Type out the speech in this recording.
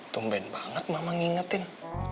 tumben banget mama ngingetin